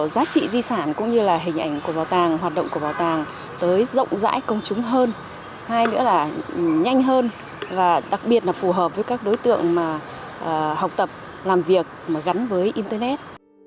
giá trị di sản cũng như là hình ảnh của bảo tàng hoạt động của bảo tàng tới rộng rãi công chúng hơn hai nữa là nhanh hơn và đặc biệt là phù hợp với các đối tượng học tập làm việc gắn với internet